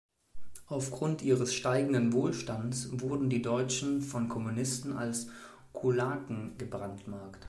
Aufgrund ihres steigenden Wohlstands wurden die Deutschen von Kommunisten als „Kulaken“ gebrandmarkt.